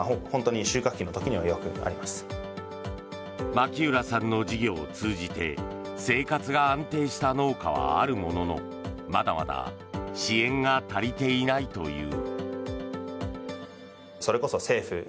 牧浦さんの事業を通じて生活が安定した農家はあるもののまだまだ支援が足りていないという。